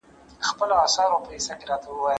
دا موضوع د یوه مهم او اغيزناک عامل په توګه، د